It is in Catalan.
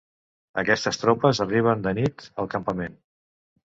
Aquestes tropes arriben de nit al campament.